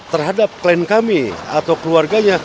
terhadap klien kami atau keluarganya